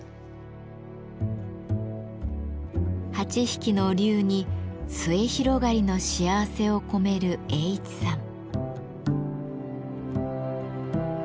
８匹の龍に末広がりの幸せを込める栄市さん。